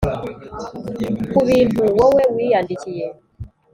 ku bintu wowe wiyandikiye,